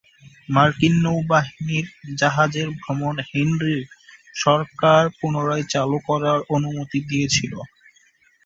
মার্কিন নৌবাহিনীর জাহাজের ভ্রমণ হেনরির সরকার পুনরায় চালু করার অনুমতি দিয়েছিল।